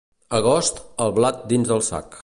Agost, el blat dins el sac.